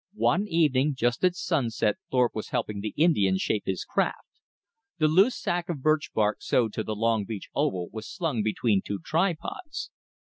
One evening just at sunset Thorpe was helping the Indian shape his craft. The loose sac of birch bark sewed to the long beech oval was slung between two tripods.